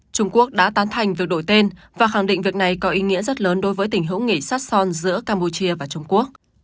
trung quốc đã tán thành việc đổi tên và khẳng định việc này có ý nghĩa rất lớn đối với tình hữu nghị sát son giữa campuchia và trung quốc